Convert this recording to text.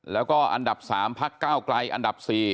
แล้วก็อันดับ๓พักก้าวไกลอันดับ๔